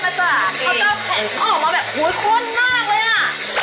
เขาจะแผ่นออกมาแบบโอ้ยข้วนมากเลยอ่ะ